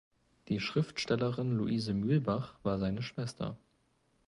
Die Schriftstellerin Luise Mühlbach war seine Schwester.